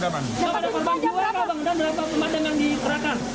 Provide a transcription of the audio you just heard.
bagaimana perban jiwa bang dan berapa pemadaman yang dikerahkan